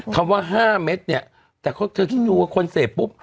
คำว่า๕เม็ดเนี่ยแต่เธอคิดดูว่าคนเสพปุ๊บ